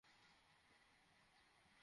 তুমি জানো সে কোন দিকে গিয়েছে।